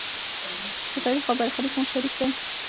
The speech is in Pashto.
چې تاریخ او برخلیک مو شریک دی.